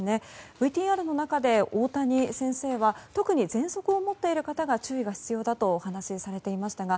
ＶＴＲの中で、大谷先生は特にぜんそくを持っている方は注意が必要だとお話しされていましたが